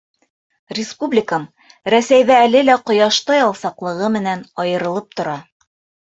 Республикам Рәсәйҙә әле лә ҡояштай алсаҡлығы менән айырылып тора.